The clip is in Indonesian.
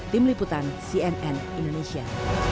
tim liputan cnn indonesia